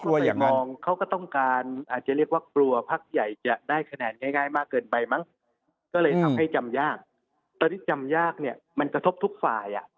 เขาก็ไปมองเขาก็ต้องการอาจจะเรียกว่า